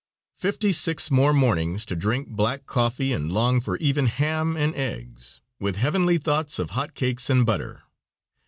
Fifty six more mornings to drink black coffee and long for even ham and eggs, with heavenly thoughts of hot cakes and butter.